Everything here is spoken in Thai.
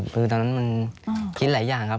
คือตอนนั้นมันคิดหลายอย่างครับ